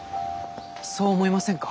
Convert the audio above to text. そう思いませんか？